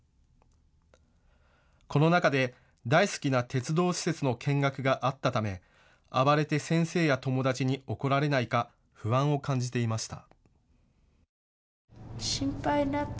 この中で大好きな鉄道施設の見学があったため、暴れて先生や友だちに怒られないか不安を感じていました。